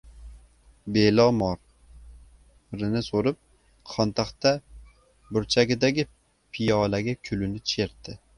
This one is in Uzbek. «Belo- mor»ini so‘rib, xontaxta burchagidagi piyolaga kulini chertdi.